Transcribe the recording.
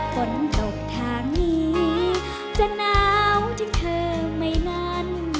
ฝนตกทางนี้จะหนาวถึงเธอไหมนั้น